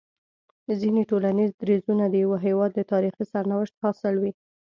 ځيني ټولنيز درځونه د يوه هيواد د تاريخي سرنوشت حاصل وي